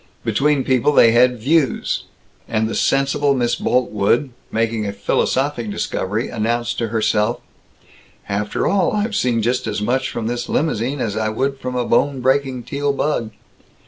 Between people they had Views; and the sensible Miss Boltwood, making a philosophic discovery, announced to herself, "After all, I've seen just as much from this limousine as I would from a bone breaking Teal bug.